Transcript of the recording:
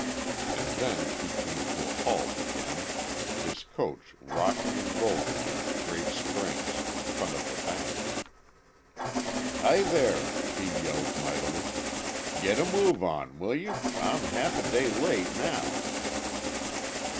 And then he came to a halt again, his coach rocking and rolling on its great springs, in front of the bank. "Hi, there," he yelled mightily. "Git a move on, will you? I'm half a day late now."